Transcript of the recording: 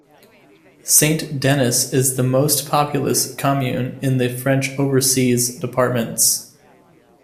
Saint-Denis is the most populous commune in the French overseas departments.